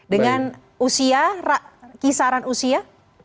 dengan usia kisaran usia